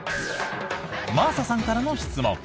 真麻さんからの質問！